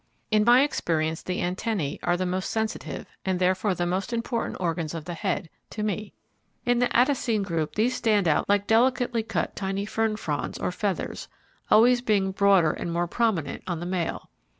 In my experience the antennae, are the most sensitive, and therefore the most important organs of the head to me. In the Attacine group these stand out like delicately cut tiny fern fronds or feathers, always being broader and more prominent on the male.